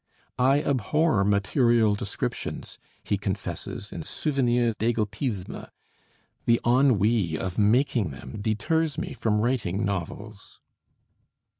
"I abhor material descriptions," he confesses in 'Souvenirs d'Égotisme': "the ennui of making them deters me from writing novels."